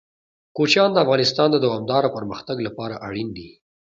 کوچیان د افغانستان د دوامداره پرمختګ لپاره اړین دي.